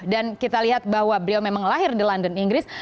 dan kita lihat bahwa beliau memang lahir di london inggris